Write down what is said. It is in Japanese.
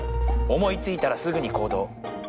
思いついたらすぐにこうどう。